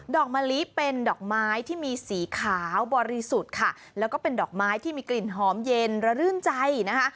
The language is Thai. อกมะลิเป็นดอกไม้ที่มีสีขาวบริสุทธิ์ค่ะแล้วก็เป็นดอกไม้ที่มีกลิ่นหอมเย็นระรื่นใจนะคะ